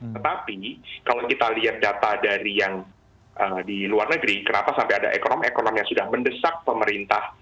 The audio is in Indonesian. tetapi kalau kita lihat data dari yang di luar negeri kenapa sampai ada ekonomi ekonomi yang sudah mendesak pemerintah